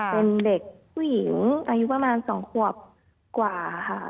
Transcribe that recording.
เป็นเด็กผู้หญิงอายุประมาณ๒ขวบกว่าค่ะ